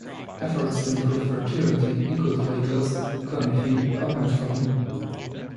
Efforts to improve fertility include weight loss, clomiphene, or metformin.